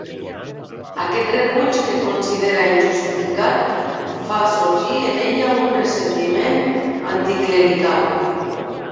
Aquest rebuig que considera injustificat fa sorgir en ella un ressentiment anticlerical.